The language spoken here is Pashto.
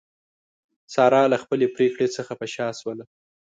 ساره له خپلې پرېکړې څخه په شا شوله.